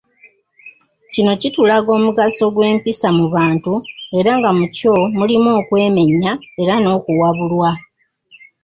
Kino kitulaga omugaso gw'empisa mu bantu era nga mu kyo mulimu okwemenya era n'okuwabulwa.